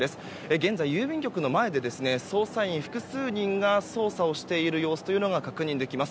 現在、郵便局の前で捜査員複数人が捜査をしている様子というのが確認できます。